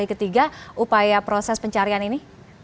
pada hari ketiga upaya proses pencarian ini